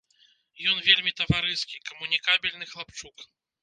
Ён вельмі таварыскі, камунікабельны хлапчук.